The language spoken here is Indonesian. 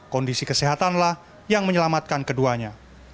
kondisi kesehatanlah yang menyelamatkan keduanya